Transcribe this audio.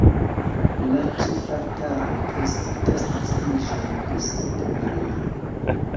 La ĉefaltaro prezentas naskiĝon de Sankta Maria.